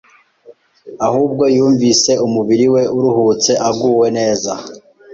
ahubwo yumvise umubiri we uruhutse aguwe neza,